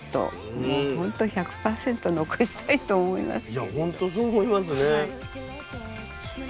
いやほんとそう思いますね。